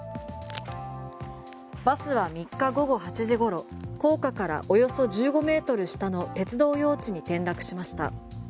バスは３日午後８時ごろ高架からおよそ１５ｍ下の鉄道用地に転落しました。